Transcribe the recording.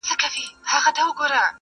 په الست کي یې وېشلي د ازل ساقي جامونه -